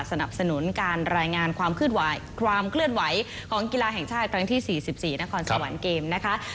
สนับสนุนการรายงานความเคลื่อนไหวของกีฬาแห่งชาติครั้งที่๔๔นครสวรรค์เกมนะคะ